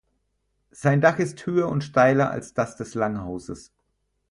Sein Dach ist höher und steiler als das des Langhauses.